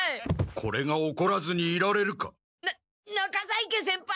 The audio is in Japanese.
これがおこらずにいられるか。な中在家先輩！